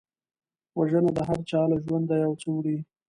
وژنه د هرچا له ژونده یو څه وړي